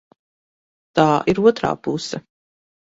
Tā ir otrā puse.